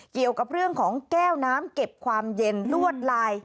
เกี่ยวกับเรื่องของแก้วน้ำเก็บความเย็นลวดลาย